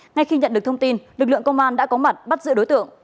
ngay khi nhận được thông tin lực lượng công an đã có mặt bắt giữ đối tượng